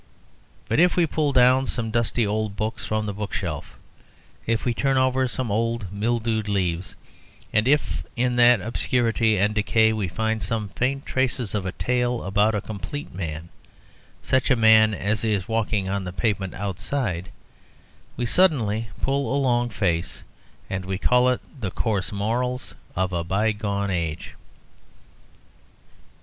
But if we pull down some dusty old books from the bookshelf, if we turn over some old mildewed leaves, and if in that obscurity and decay we find some faint traces of a tale about a complete man, such a man as is walking on the pavement outside, we suddenly pull a long face, and we call it the coarse morals of a bygone age.